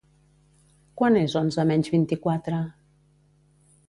Quant és onze menys vint-i-quatre?